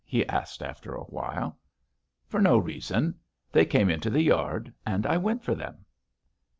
he asked after a while. "For no reason. They came into the yard and I went for them."